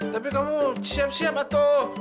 tapi kamu siap siap atau